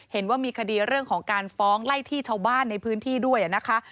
เห็นว่ามีคดีเรื่องของการฟ้องไล่ที่ชาวบ้านในพื้นที่ด้วยนะคะ